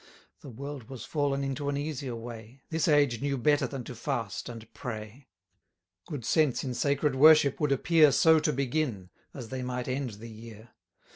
The world was fallen into an easier way; This age knew better than to fast and pray. Good sense in sacred worship would appear 1020 So to begin, as they might end the year.